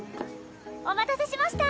お待たせしました！